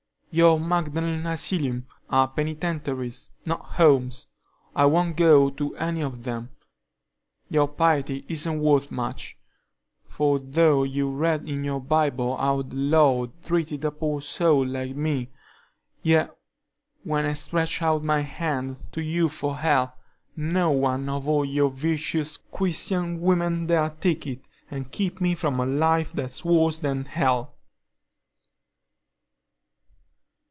Your Magdalen Asylums are penitentiaries, not homes; I won't go to any of them. Your piety isn't worth much, for though you read in your Bible how the Lord treated a poor soul like me, yet when I stretch out my hand to you for help, not one of all you virtuous, Christian women dare take it and keep me from a life that's worse than hell."